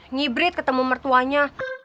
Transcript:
ngebrit ketemu mertuanya